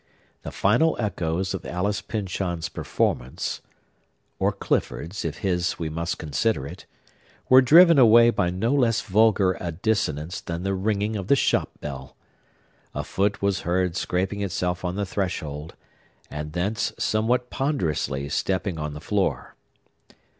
The final echoes of Alice Pyncheon's performance (or Clifford's, if his we must consider it) were driven away by no less vulgar a dissonance than the ringing of the shop bell. A foot was heard scraping itself on the threshold, and thence somewhat ponderously stepping on the floor.